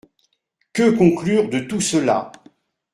Que conclure de tout cela ?